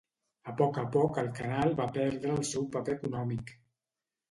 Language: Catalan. A poc a poc el canal va perdre el seu paper econòmic.